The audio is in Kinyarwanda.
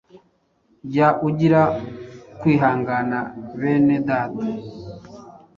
Jya ugira kwihangana Bene data,